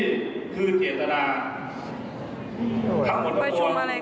โครวัยลูกสีใจที่โฟสต์ต่างและโครเสียอย่างเยอะว่า